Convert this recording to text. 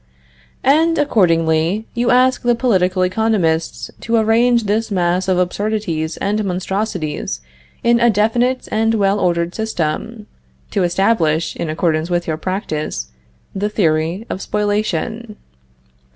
And, accordingly, you ask the political economists to arrange this mass of absurdities and monstrosities in a definite and well ordered system; to establish, in accordance with your practice, the theory of spoliation.